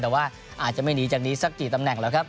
แต่ว่าอาจจะไม่หนีจากนี้สักกี่ตำแหน่งแล้วครับ